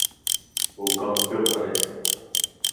هو ڪم ٻيو ڪري